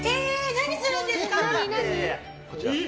何するんですか！